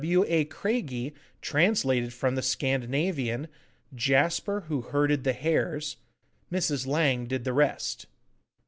W. A. Craigie translated from the Scandinavian, 'Jasper who herded the Hares.' Mrs. Lang did the rest.